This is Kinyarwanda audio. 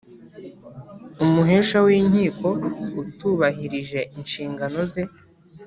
Umuhesha w Inkiko utubahirije inshingano ze